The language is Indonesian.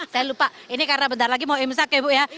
saya lupa ini karena bentar lagi mau imsak ya bu ya